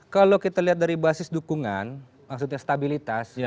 kalau kita lihat dari basis dukungan maksudnya stabilitas